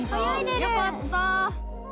よかった。